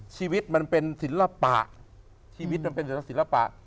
ชีวิตมันเป็นศิลปะชีวิตมันเป็นศิลปะ